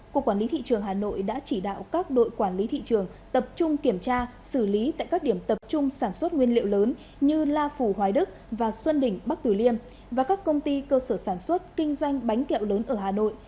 cục quản lý thị trường hà nội đã chỉ đạo các đội quản lý thị trường tập trung kiểm tra xử lý tại các điểm tập trung sản xuất nguyên liệu lớn như la phủ hoài đức và xuân đỉnh bắc tử liêm và các công ty cơ sở sản xuất kinh doanh bánh kẹo lớn ở hà nội